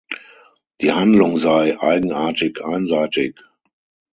Die Handlung sei „eigenartig einseitig“.